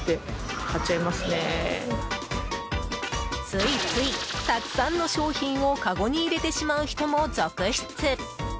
ついつい、たくさんの商品をかごに入れてしまう人も続出。